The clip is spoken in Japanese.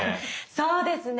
そうですね。